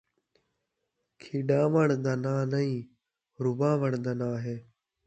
کھݙاوݨ دا ناں نئیں ، رواوݨ دا ناں ہے